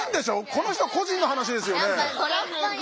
この人個人の話ですよね？